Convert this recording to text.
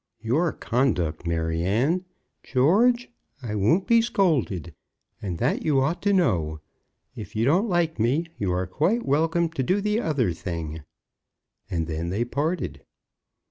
"Your conduct, Maryanne ." "George, I won't be scolded, and that you ought to know. If you don't like me, you are quite welcome to do the other thing." And then they parted.